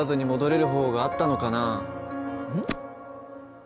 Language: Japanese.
うん？